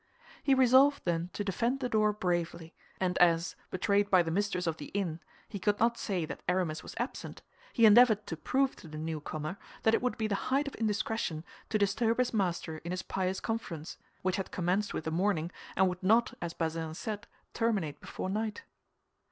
He resolved, then, to defend the door bravely; and as, betrayed by the mistress of the inn, he could not say that Aramis was absent, he endeavored to prove to the newcomer that it would be the height of indiscretion to disturb his master in his pious conference, which had commenced with the morning and would not, as Bazin said, terminate before night.